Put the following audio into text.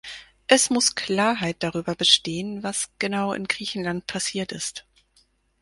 Es muss Klarheit darüber bestehen, was genau in Griechenland passiert ist.